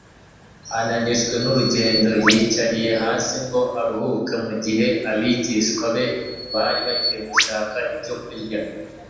Ananijwe n’urugendo, yicara hasi ngo aruhuke mu gihe abigishwa be bari bagiye gushaka ibyo kurya